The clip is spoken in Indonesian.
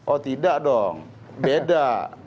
oh tidak dong beda